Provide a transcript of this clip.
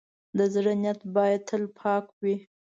د زړۀ نیت باید تل پاک وي.